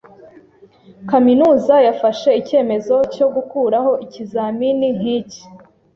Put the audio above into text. Kaminuza yafashe icyemezo cyo gukuraho ikizamini nkiki.